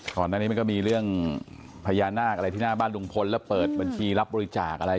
ดังนั้นก็มีเรื่องพยานาคอะไรที่บ้านลุงพนแล้วเปิดบัญชีรับบริจาคเขียวไหม